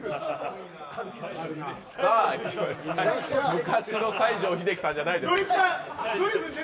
昔の西城秀樹さんじゃないです。